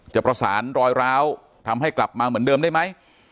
จะประสานรอยร้าวทำให้กลับมาเหมือนเดิมได้ไหม